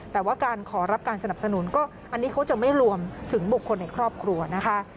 แต่ว่าการขอรับการสนับสนุนก็อันนี้เขาจะไม่รวมถึงบุคคลในครอบครัวนะคะ